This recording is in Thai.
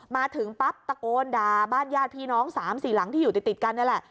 มาถึงปั๊บตะโกนด่าบ้านญาติพี่น้อง๓๔หลังที่อยู่ติดกันนี่แหละ